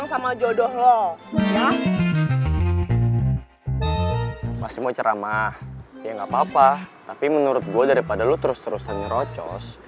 gak lupa tapi menurut gue daripada lo terus terusan ngerocos